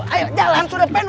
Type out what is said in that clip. ayo jalan sudah penuh